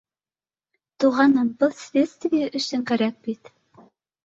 Туғаным, был следствие өсөн кәрәк бит